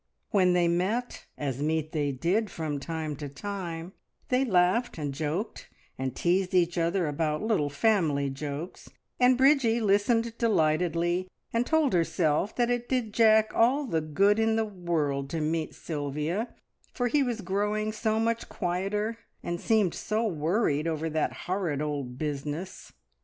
When they met, as meet they did from time to time, they laughed and joked, and teased each other about little family jokes, and Bridgie listened delightedly, and told herself that it did Jack all the good in the world to meet Sylvia, for he was growing so much quieter, and seemed so worried over that horrid old business.